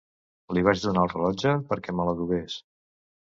Li vaig donar el rellotge perquè me l'adobés.